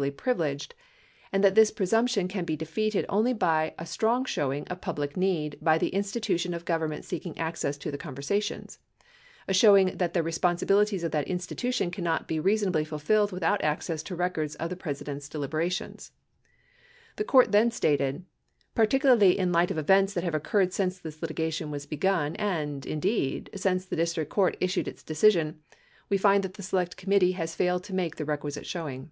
1083 tuously privileged" and that this presumption can be defeated only by a "strong" showing of public need by the institution of Government seeking access to the conversations— "a showing that the responsibili ties of that institution cannot responsibly be fulfilled without access to records of the President's deliberations." 12 The court then stated: Particularly in light of events that have occurred since this litigation was begun and, indeed, since the district court issued its decision, we find that the Select Committee has failed to make the requisite showing.